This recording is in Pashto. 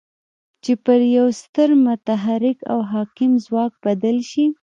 چې پر يوه ستر متحرک او حاکم ځواک بدل شي.